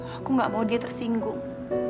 aku gak mau dia tersinggung